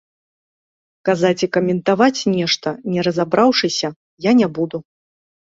Казаць і каментаваць нешта, не разабраўшыся, я не буду.